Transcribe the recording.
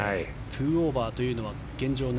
２オーバーというのは現状